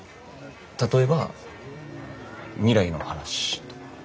例えば未来の話とか。